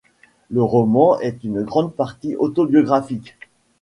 Le roman est en grande partie autobiographique.